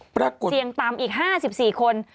ปรากฏเสี่ยงต่ำอีก๕๔คน